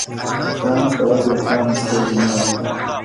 پام کوه بې پامه سترگي مه وهه’